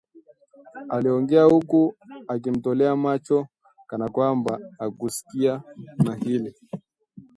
Aliongea huku akimtolea macho kana kwamba hahusiki na hili